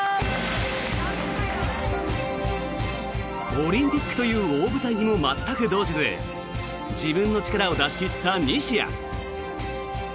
オリンピックという大舞台にも全く動じず自分の力を出し切った西矢。